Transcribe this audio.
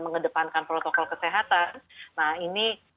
mengedepankan protokol kesehatan nah ini